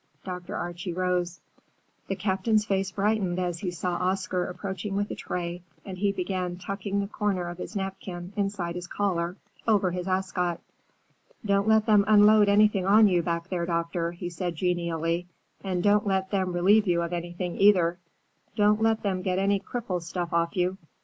Dr. Archie rose. The Captain's face brightened as he saw Oscar approaching with a tray, and he began tucking the corner of his napkin inside his collar, over his ascot. "Don't let them unload anything on you back there, doctor," he said genially, "and don't let them relieve you of anything, either. Don't let them get any Cripple stuff off you.